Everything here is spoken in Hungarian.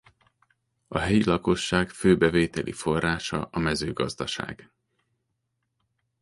A helyi lakosság fő bevételi forrása a mezőgazdaság.